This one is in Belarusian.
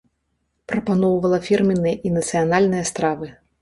Прапаноўвала фірменныя і нацыянальныя стравы.